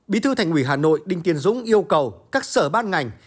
bí thư thành ủy hà nội đinh tiến dũng yêu cầu các sở ban ngành